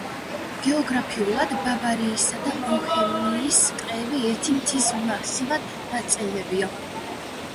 გეოგრაფიულად, ბავარიისა და ბოჰემიის ტყეები ერთი მთის მასივის ნაწილებია.